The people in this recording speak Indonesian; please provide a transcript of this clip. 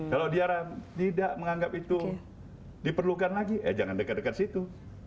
kalau dia tidak menganggap itu diperlukan lagi eh jangan dekat dekat situ